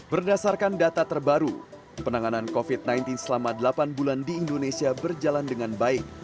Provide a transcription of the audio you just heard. berdasarkan data terbaru penanganan covid sembilan belas selama delapan bulan di indonesia berjalan dengan baik